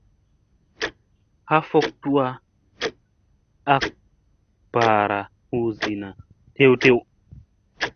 Ha fok tuwa ak ɓaara hu zina tew tew.